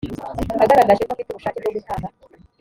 agaragaje ko afite ubushake bwo gutanga